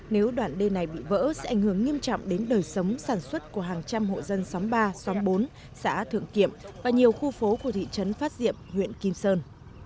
nếu đoạn đê này bị vỡ sẽ ảnh hưởng nghiêm trọng đến đời sống sản xuất của hàng trăm hộ dân xóm ba xóm bốn xã thượng kiệm và nhiều khu phố của thị trấn phát diệm huyện kim sơn